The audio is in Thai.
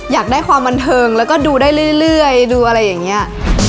อยากได้ความบันเทิงแล้วก็ดูได้เรื่อยดูอะไรอย่างนี้